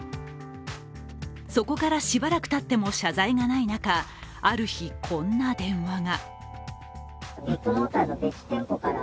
そこからしばらくたっても謝罪がない中ある日、こんな電話が。